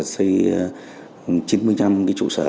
xây chín mươi trụ sở